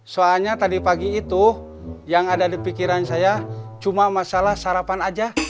soalnya tadi pagi itu yang ada di pikiran saya cuma masalah sarapan aja